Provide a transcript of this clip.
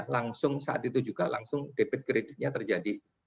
langsung saat itu juga langsung debit kreditnya terjadi